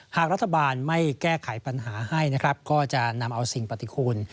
หากรัฐบาลไม่แก้ไขปัญหาให้นะครับก็จะนำเอาสิ่งปฏิคุณ